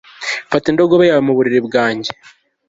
fata indogobe yawe mu buriri bwanjye